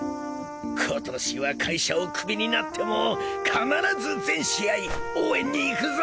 今年は会社をクビになっても必ず全試合応援に行くぞ！